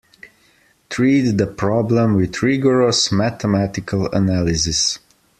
Treat the problem with rigorous mathematical analysis.